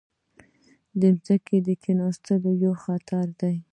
د ځمکې کیناستل یو خطر دی.